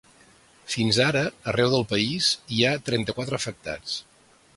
Fins ara, arreu del país, hi ha trenta-quatre afectats.